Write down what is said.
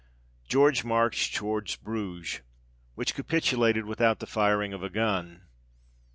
George marched towards Bruges, which capi tulated without the firing of a gun.